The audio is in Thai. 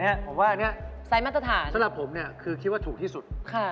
แต่อันนี้ผมว่าอันนี้สำหรับผมคือคิดว่าถูกที่สุด